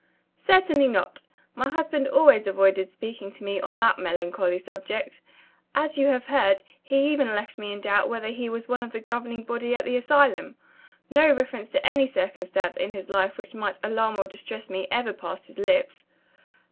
"Certainly not! My husband always avoided speaking to me on that melancholy subject. As you have heard, he even left me in doubt whether he was one of the governing body at the asylum. No reference to any circumstance in his life which might alarm or distress me ever passed his lips."